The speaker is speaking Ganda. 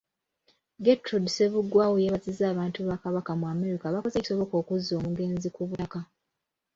Getrude Ssebuggwawo yeebazizza abantu ba Kabaka mu America abakoze ekisoboka okuzza omugenzi ku butaka.